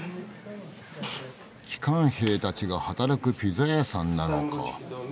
帰還兵たちが働くピザ屋さんなのか。